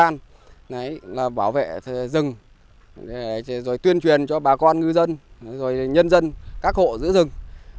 đấy là bảo vệ rừng rồi tuyên truyền cho bà con ngư dân rồi nhân dân các hộ giữ rừng